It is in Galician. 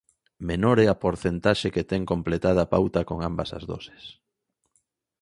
Menor é a porcentaxe que ten completada a pauta con ambas as doses.